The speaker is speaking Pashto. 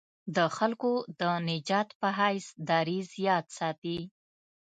د خلکو د نجات په حیث دریځ یاد ساتي.